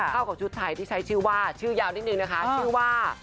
เข้ากับชุดไทยที่ใช้ชื่อว่าชื่อยาวนิดนึงนะคะชื่อว่า